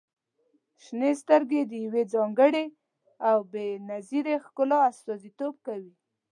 • شنې سترګې د يوې ځانګړې او بې نظیرې ښکلا استازیتوب کوي.